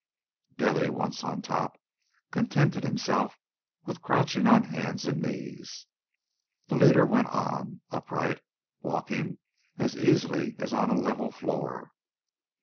Billy, once on top, contented himself with crouching on hands and knees. The leader went on, upright, walking as easily as on a level floor.